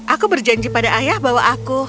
aku berjanji pada ayah bahwa aku